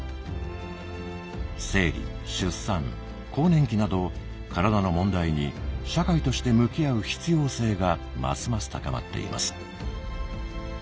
生理出産更年期など体の問題に社会として向き合う必要性がますます高まっています。